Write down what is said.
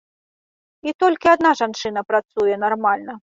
І толькі адна жанчына працуе нармальна.